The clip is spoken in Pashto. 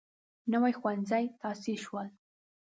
نوي ښوونځي تاسیس شول.